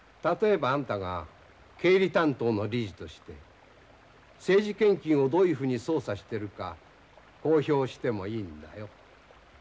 例えばあんたが経理担当の理事として政治献金をどういうふうに操作してるか公表してもいいんだよ。